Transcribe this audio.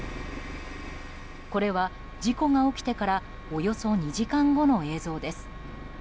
これは事故が起きてからおよそ２時間後の映像です。